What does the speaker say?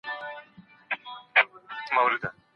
د موسسو زور د سياست دوامداره برخه نه ده.